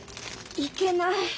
いけない。